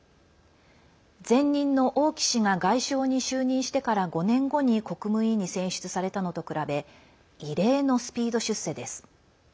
前任の王毅氏が外相に就任してから５年後に国務委員に選出されたのと比べ異例のスピード出世です。